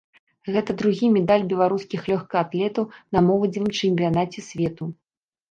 Гэта другі медаль беларускіх лёгкаатлетаў на моладзевым чэмпіянаце свету.